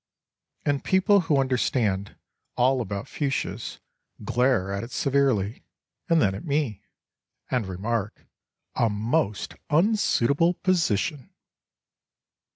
And people who understand all about fuchsias glare at it severely, and then at me, and remark, "A most unsuitable position!"